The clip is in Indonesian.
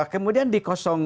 kemudian di dua